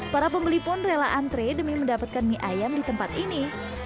para pembeli pun rela antre demi mendapatkan mie ayam di tempat ini